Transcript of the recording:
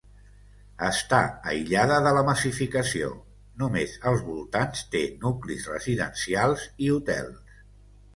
Està aïllada de la massificació; només als voltants té nuclis residencials i hotels.